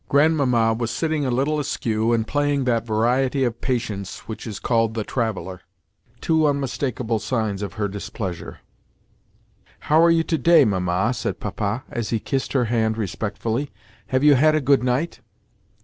Grandmamma was sitting a little askew and playing that variety of "patience" which is called "The Traveller"—two unmistakable signs of her displeasure. "How are you to day, Mamma?" said Papa as he kissed her hand respectfully. "Have you had a good night?"